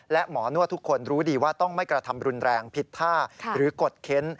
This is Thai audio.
และหมอนวดทุกคนรู้ดีว่าต้องไม่กระทำรุนแรงผิดท่าหรือกดเค้น